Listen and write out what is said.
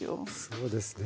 そうですね。